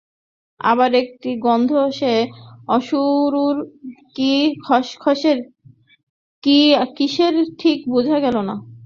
আবার একটি গন্ধ–সে অগুরুর কি খসখসের, কি কিসের ঠিক বুঝা গেল না।